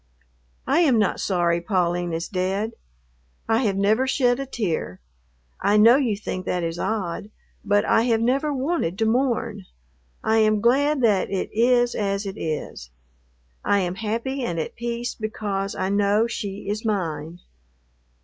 "I am not sorry Pauline is dead. I have never shed a tear. I know you think that is odd, but I have never wanted to mourn. I am glad that it is as it is. I am happy and at peace because I know she is mine.